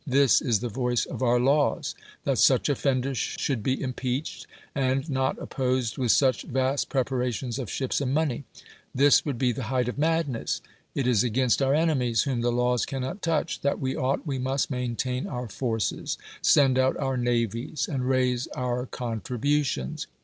This is the voice of our laws ; that such offenders should be impeached, and not opj)osed with such vast preparations of ships and money (this would be the height of madness) : it is agaiust our enemies, whom the laws cannot touch, that we ought, we must maintain our forces, send out our navies, and raise our contributions.